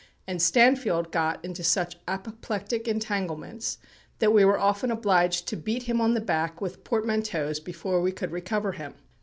And Stanfield got into such apoplectic entanglements that we were often obliged to beat him on the back with portmanteaus before we could recover him."